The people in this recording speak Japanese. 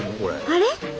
あれ？